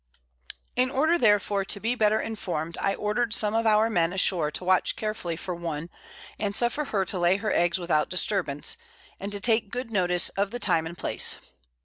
In order therefore to be better informed, I order'd some of our Men ashore to watch carefully for one, and suffer her to lay her Eggs without disturbance, and to take good notice of the Time and Place.